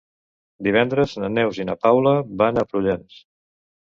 Divendres na Neus i na Paula van a Prullans.